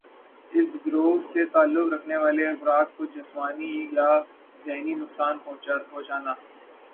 اس گروہ سے تعلق رکھنے والے افراد کو جسمانی یا ذہنی نقصان پہنچانا